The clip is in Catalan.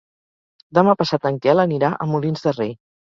Demà passat en Quel anirà a Molins de Rei.